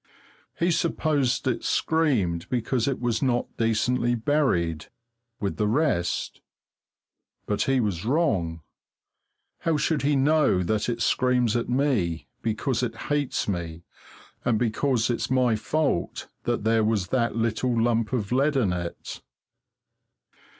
He supposed it screamed because it was not decently buried with the rest. But he was wrong. How should he know that it screams at me because it hates me, and because it's my fault that there was that little lump of lead in it?